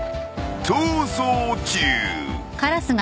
［逃走中］